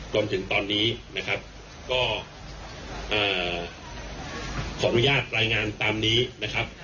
จนถึงตอนนี้นะครับก็ขออนุญาตรายงานตามนี้นะครับ